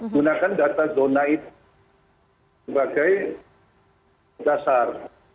gunakan data zona itu sebagai dasar